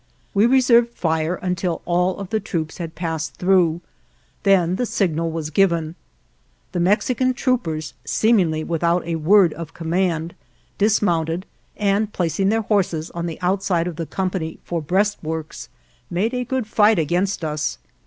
We reserved fire until all of the troops had passed through; then the signal was given. The Mexican troopers, seemingly without a word of command, dismounted, 59 GERONIMO and placing their horses on the outside of the company, for breastworks, made a good fight against us.